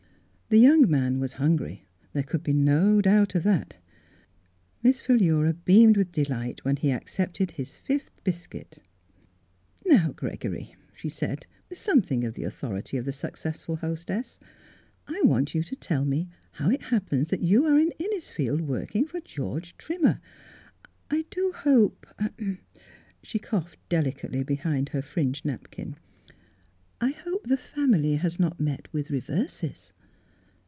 The young man was hungry, there could be no doubt of that. Miss Philura beamed with delight when he accepted his fifth biscuit. " Now, Gregory," she said, with some thing of the authority of the successful hostess, " I want you to tell me how it happens that you are in Innisfield, work ing for George Trimmer. I do hope •—" She coughed delicately behind her fringed napkin. " I hope the family has not met with reverses."